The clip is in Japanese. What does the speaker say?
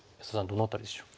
どの辺りでしょう？